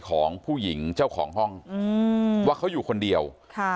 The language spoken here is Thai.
ของผู้หญิงเจ้าของห้องอืมว่าเขาอยู่คนเดียวค่ะ